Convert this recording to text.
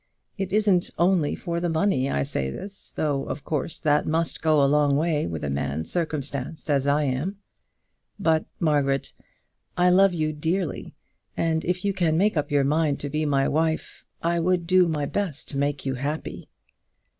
It isn't only for the money I say this, though, of course, that must go a long way with a man circumstanced as I am; but, Margaret, I love you dearly, and if you can make up your mind to be my wife, I would do my best to make you happy."